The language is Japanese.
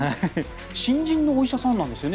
新人のお医者さんなんですよね。